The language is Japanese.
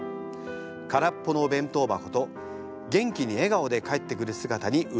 空っぽのお弁当箱と元気に笑顔で帰ってくる姿にうれしくなります。